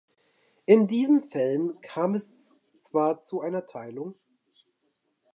In diesen Fällen kam es zwar zu einer Teilung.